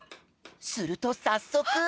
するとさっそく。